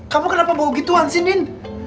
kamu kenapa bau gituan sih din